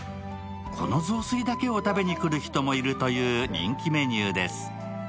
この雑炊だけを食べに来る人もいるという人気メニューです。